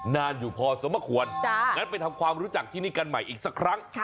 นานอยู่พอสมควรงั้นไปทำความรู้จักที่นี่กันใหม่อีกสักครั้ง